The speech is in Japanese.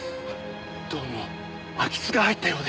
どうも空き巣が入ったようで。